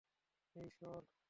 এই, সর।